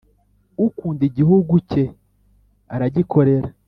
Ukunda igihugu ke aragikorera